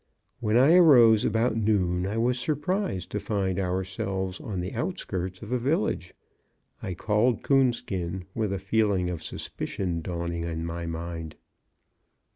When I arose about noon, I was surprised to find ourselves on the outskirts of a village. I called Coonskin, with a feeling of suspicion dawning in my mind.